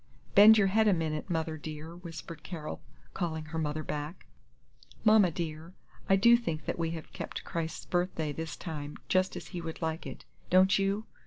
"Bend your head a minute, mother dear," whispered Carol, calling her mother back. "Mama, dear, I do think that we have kept Christ's birthday this time just as He would like it. Don't you?"